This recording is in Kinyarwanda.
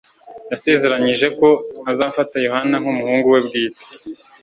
Yasezeranije ko azafata Yohana nkumuhungu we bwite